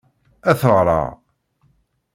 Ad t-ɣṛeɣ.